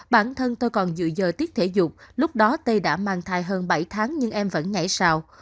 bản thân tôi còn dự dời tiết thể dục lúc đó tây đã mang thai hơn bảy tháng nhưng em vẫn nhảy sào